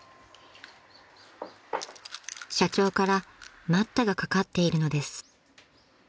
［社長から待ったがかかっているのです］